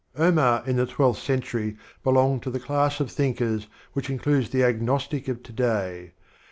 Omar in the Twelfth Century belonged to the class of thinkers which includes the Agnostic of to day.